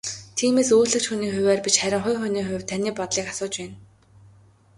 Тиймээс үйлчлэгч хүний хувиар биш харин хувь хүний хувьд таны бодлыг асууж байна.